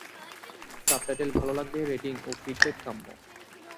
Subtitle ভালো লাগলে rating ও ফিডব্যাক কাম্য।